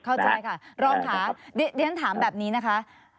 เข้าใจค่ะร้องค้าฉะนั้นถามแบบนี้นะคะ